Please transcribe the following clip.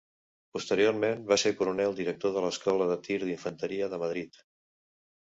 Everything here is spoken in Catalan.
Posteriorment va ser coronel director de l'Escola de Tir d'Infanteria de Madrid.